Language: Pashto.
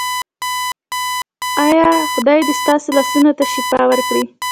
ایا خدای دې ستاسو لاس ته شفا ورکړي؟